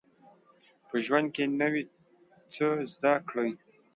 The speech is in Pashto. په ژوند کي نوی څه زده کړئ